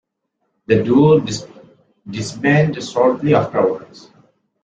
The duo disbanded shortly afterwards.